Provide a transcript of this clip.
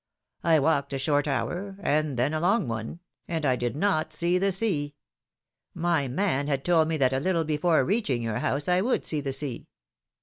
I walked a short hour, and then a long one, and I did not see the sea ; my man had told me that a little before reaching your house I would see the sea.